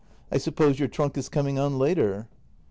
I suppose your trunk is coming on later